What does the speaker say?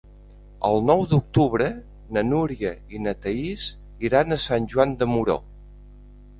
El nou d'octubre na Núria i na Thaís iran a Sant Joan de Moró.